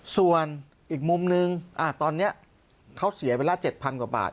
ส่วนอีกมุมนึงตอนนี้เขาเสียเวลา๗๐๐กว่าบาท